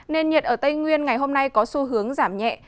nền nhiệt ở tây nguyên ngày hôm nay có xu hướng giảm nhẹ